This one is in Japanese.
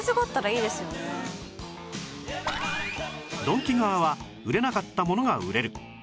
ドンキ側は売れなかったものが売れる